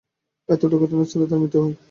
এতে ঘটনাস্থলেই তার মৃত্যু হয়।